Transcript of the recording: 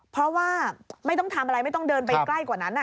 เพราะว่าไม่ต้องทำอะไรไม่ต้องเดินไปใกล้กว่านั้น